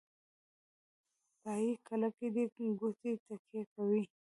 پایې کلکې دي کوټې تکیه کوي.